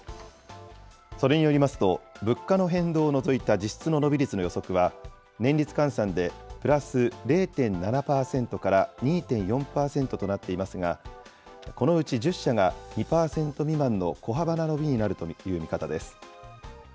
それによりますと、物価の変動を除いた実質の伸び率の予測は、年率換算でプラス０．７％から２．４％となっていますが、このうち１０社が２％未満の小幅な伸びになるという見方です。